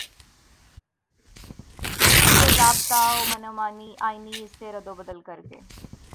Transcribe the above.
پھر بےضابطہ ومن مانی آئینی اس میں ردوبدل کرکے